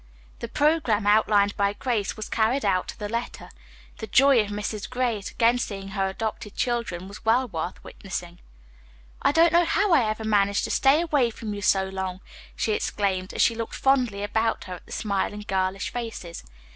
The programme outlined by Grace was carried out to the letter. The joy of Mrs. Gray at again seeing her adopted children was well worth witnessing. "I don't know how I ever managed to stay away from you so long!" she exclaimed, as she looked fondly about her at the smiling, girlish faces.